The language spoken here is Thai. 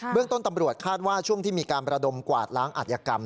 เรื่องต้นตำรวจคาดว่าช่วงที่มีการประดมกวาดล้างอัธยกรรม